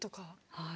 はい。